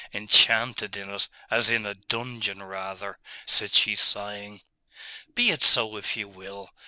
'Enchanted in it, as in a dungeon, rather,' said she sighing. 'Be it so if you will.